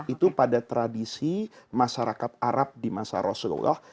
itu pada tradisi masyarakat arab di masa rasulullah